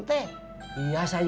loh apa ini